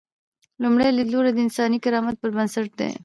لومړی لیدلوری د انساني کرامت پر بنسټ دی.